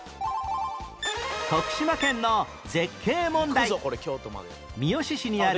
徳島県の絶景問題